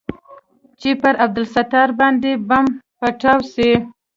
چې پر عبدالستار باندې بم پټاو سوى.